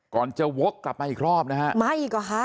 ก่อนจะว๊กกลับมาอีกรอบนะฮะ